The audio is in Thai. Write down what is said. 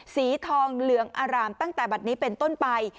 สีทองเหลืองอารามตั้งแต่บัตรนี้เป็นต้นไป